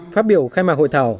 phát biểu khai mạc hội thảo